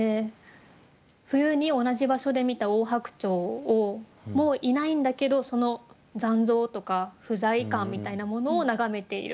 冬に同じ場所で見たオオハクチョウをもういないんだけどその残像とか不在感みたいなものを眺めている。